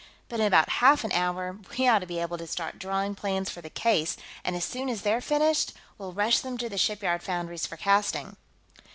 But in about half an hour, we ought to be able to start drawing plans for the case, and as soon as they're finished, we'll rush them to the shipyard foundries for casting."